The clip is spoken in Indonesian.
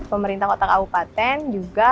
pemerintah kota kabupaten juga